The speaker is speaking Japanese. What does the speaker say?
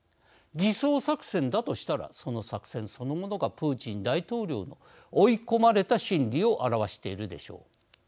偽装作戦だとしたらその作戦そのものがプーチン大統領の追い込まれた心理を表しているでしょう。